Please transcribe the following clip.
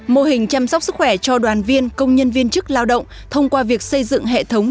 mô hình chăm sóc sức khỏe cho đoàn viên công nhân viên chức lao động thông qua việc xây dựng hệ thống